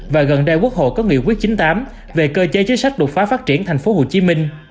và gần đây quốc hội có nghị quyết chín mươi tám về cơ chế chế sách đột phá phát triển tp hcm